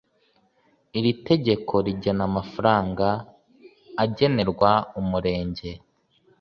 Iri tegeko rigena amafaranga agenerwa Umurenge